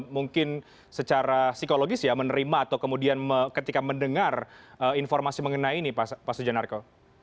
mungkin secara psikologis ya menerima atau kemudian ketika mendengar informasi mengenai ini pak sujanarko